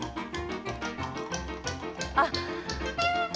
あっ！